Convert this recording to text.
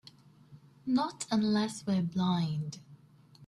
Not unless we're blind.